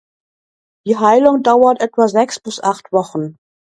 Die Heilung dauert etwa sechs bis acht Wochen.